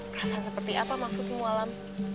perasaan seperti apa maksudmu alam